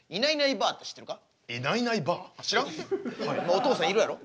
お父さんいるやろ？